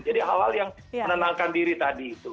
jadi hal hal yang menenangkan diri tadi itu